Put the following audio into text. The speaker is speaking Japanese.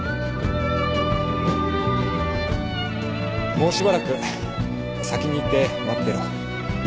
もうしばらく先に行って待ってろ。